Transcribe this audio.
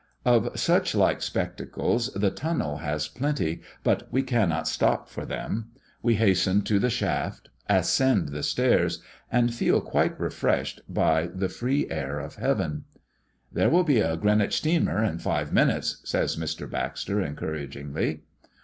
Of such like spectacles the tunnel has plenty, but we cannot stop for them. We hasten to the shaft, ascend the stairs, and feel quite refreshed by the free air of heaven. "There will be a Greenwich steamer in five minutes," says Mr. Baxter, encouragingly.